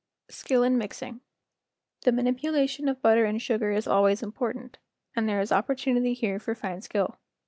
Skill in Mixing T HE manipulation of butter and sugar is always important, and there is opportunity here for fine skill.